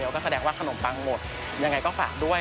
ก็แสดงว่าขนมปังหมดยังไงก็ฝากด้วย